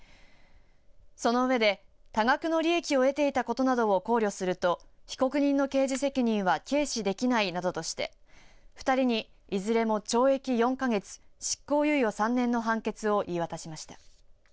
その上で、多額の利益を得ていたことなどを考慮すると被告人の刑事責任は軽視できない、などとして２人にいずれも懲役４か月執行猶予３年の判決を言い渡しました。